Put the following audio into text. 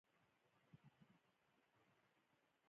يوولس سوه اوغانۍ کرايه درباندې راځي.